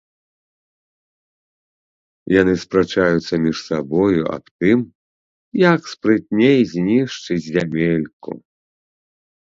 Яны спрачаюцца між сабою аб тым, як спрытней знішчыць зямельку.